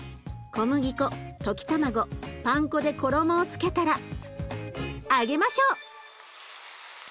小麦粉溶き卵パン粉で衣をつけたら揚げましょう！